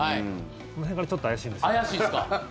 この辺からちょっと怪しいんですよ。